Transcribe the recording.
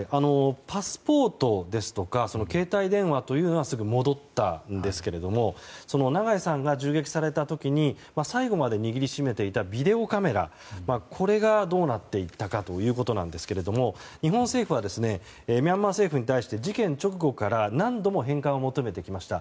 パスポートですとか携帯電話というのはすぐ戻ったんですけれども長井さんが銃撃された時に最後まで握りしめていたビデオカメラ、これがどうなっていったかということですが日本政府はミャンマー政府に対して事件直後から何度も返還を求めてきました。